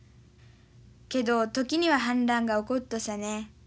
けど時には反乱が起こったさね。